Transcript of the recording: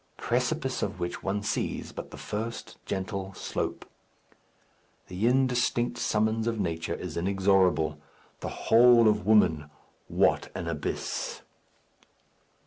Precipice of which one sees but the first gentle slope! The indistinct summons of nature is inexorable. The whole of woman what an abyss!